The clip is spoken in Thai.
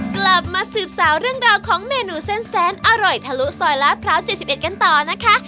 กลับมาสืบสาวเรื่องราวของเมนูเส้นแสนอร่อยทะลุซอยลาดพร้าว๗๑กันต่อนะคะ